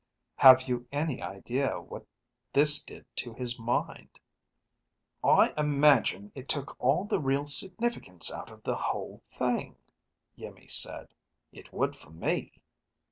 Have you any idea what this did to his mind?" "I imagine it took all the real significance out of the whole thing," Iimmi said. "It would for me."